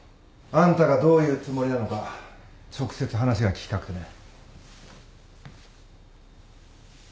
あんたがどういうつもりなのか直接話が聞きたくてね。